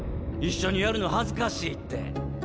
一緒にやるの恥ずかしいって。